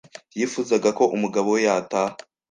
Yifuzaga ko umugabo we yataha.